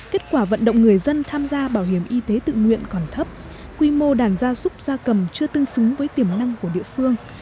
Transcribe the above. kết quả vận động người dân tham gia bảo hiểm y tế tự nguyện còn thấp quy mô đàn gia súc gia cầm chưa tương xứng với tiềm mạng